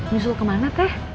nyusul kemana teh